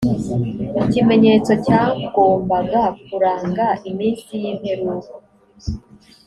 ikimenyetso cyagombaga kuranga iminsi y imperuka